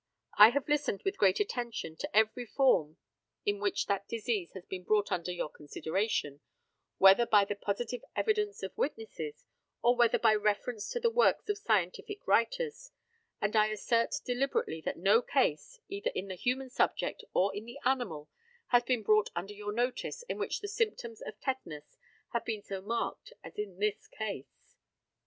I have listened with great attention to every form in which that disease has been brought under your consideration whether by the positive evidence of witnesses, or whether by reference to the works of scientific writers; and I assert deliberately that no case, either in the human subject or in the animal, has been brought under your notice in which the symptoms of tetanus have been so marked as in this case.